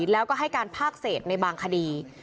แล้วก็ให้การภาคเศษในบางคดี